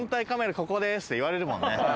ここですって言われるもんね。